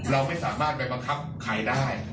เราไม่สามารถไปบังคับใครได้